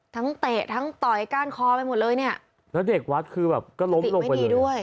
เตะทั้งต่อยก้านคอไปหมดเลยเนี่ยแล้วเด็กวัดคือแบบก็ล้มลงไปเลยด้วย